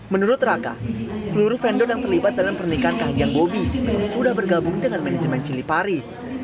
menurut raka seluruh vendor yang terlibat dalam pernikahan kahiyang bobi sudah bergabung dengan manajemen cilipari